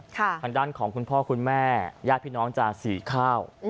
ทางด้านของคุณพ่อคุณแม่ญาติพี่น้องจะสีข้าว